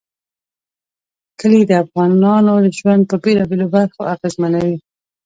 کلي د افغانانو ژوند په بېلابېلو برخو اغېزمنوي.